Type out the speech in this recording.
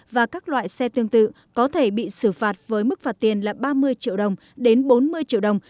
và các loại xe tương tự có thể bị xử phạt với mức phạt tiền là ba mươi triệu đồng đến bốn mươi triệu đồng